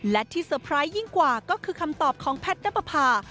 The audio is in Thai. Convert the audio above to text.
และที่เตอร์ไพรส์ยิ่งกว่าก็คือคำตอบของแพทย์นับประพา